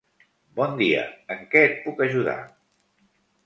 Bon dia. En què et puc ajudar?